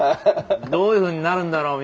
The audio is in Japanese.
どういうふうになるんだろうみたいな。